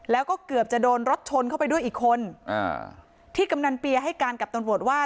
แล้วก็เกือบจะโดนรถชนเข้าไปด้วยอีกคนอ่าที่กำนันเปียให้การกับตำรวจว่า